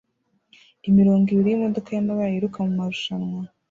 Imirongo ibiri yimodoka yamabara yiruka mumarushanwa